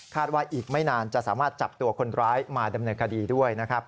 ว่าอีกไม่นานจะสามารถจับตัวคนร้ายมาดำเนินคดีด้วยนะครับ